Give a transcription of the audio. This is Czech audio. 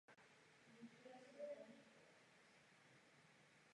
Viz článek Výběrové řízení na dopravce na rychlíkové lince Olomouc–Krnov–Ostrava.